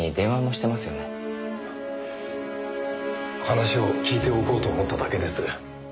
話を聞いておこうと思っただけです。